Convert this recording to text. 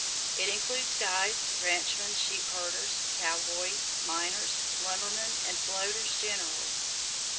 It includes guides, ranchmen, sheep herders, cowboys, miners, lumbermen and floaters generally.